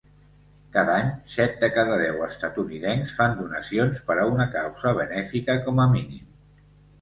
Cada any, set de cada deu estatunidencs fan donacions per a una causa benèfica com a mínim.